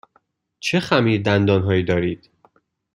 چه خمیردندان هایی دارید؟